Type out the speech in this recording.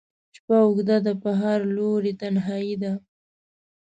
شپه اوږده ده په هر لوري تنهایي ده